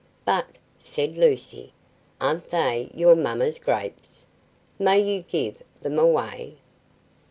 "But," said Lucy, "aren't they your Mamma's grapes; may you give them away?"